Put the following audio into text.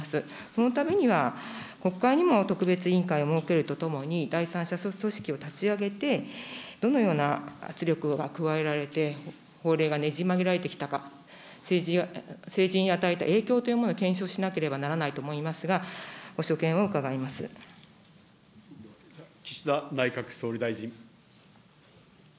そのためには、国会にも特別委員会を設けるとともに、第三者組織を立ち上げて、どのような圧力が加えられて、法令がねじ曲げられてきたか、政治に与えた影響というものを検証しなければならないと思いますが、岸田内閣総理大臣。